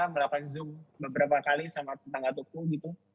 melakukan zoom beberapa kali sama tetangga tuku gitu